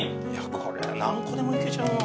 これは何個でもいけちゃうな。